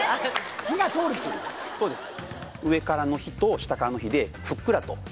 火が通るってことそうです